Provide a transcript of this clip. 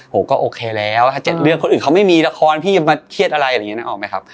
โหก็โอเคแล้วถ้าเจ็ดเรื่องคนอื่นเขาไม่มีละครพี่มาเครียดอะไร